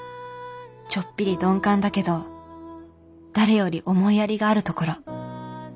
ちょっぴり鈍感だけど誰より思いやりがあるところ。